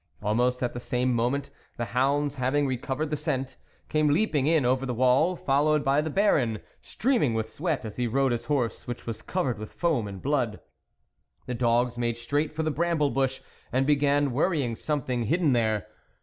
Almost at the same moment, the hounds, having recovered the scent, came leaping in over the wall, followed by the Baron, streaming with sweat as he rode his horse, which was covered with foam and blood. The dogs made straight for the bramble bush, and began worrying something hidden there.